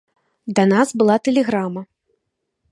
Да нас была тэлеграма.